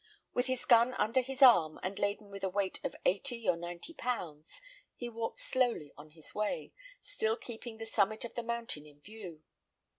With his gun under his arm, and laden with a weight of eighty or ninety pounds, he walked slowly on his way, still keeping the summit of the mountain in view.